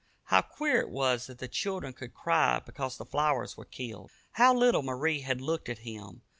How queer it was that the children should cry because the flowers were killed! How little Marie had looked at him!